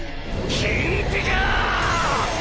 金ピカ！